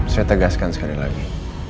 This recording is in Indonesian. saya tegaskan sekali lagi